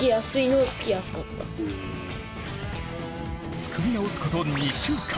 作り直すこと２週間。